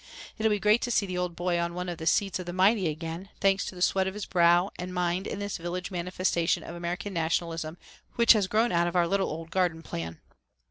It'll be great to see the old boy on one of the seats of the mighty again, thanks to the sweat of his brow and mind in this village manifestation of American nationalism which has grown out of our little old garden plan."